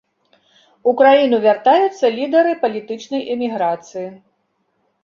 У краіну вяртаюцца лідары палітычнай эміграцыі.